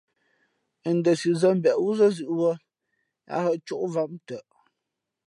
Ndα sǐ zᾱ mbeʼ wúzᾱ zʉ̌ʼ wūᾱ , yā hᾱ ǎ cóʼvam tα̌.